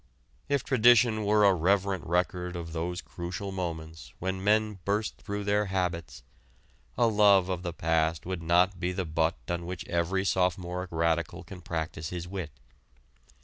If tradition were a reverent record of those crucial moments when men burst through their habits, a love of the past would not be the butt on which every sophomoric radical can practice his wit.